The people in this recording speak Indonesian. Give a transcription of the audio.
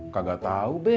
kagak tahu be